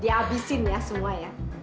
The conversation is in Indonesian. di abisin ya semua ya